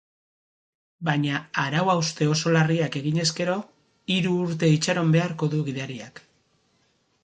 Baina arau-hauste oso larriak eginez gero, hiru urte itxaron beharko du gidariak.